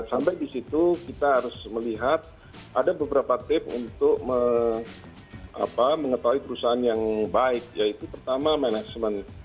sampai di situ kita harus melihat ada beberapa tips untuk mengetahui perusahaan yang baik yaitu pertama manajemen